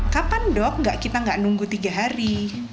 kapan dok kita nggak nunggu tiga hari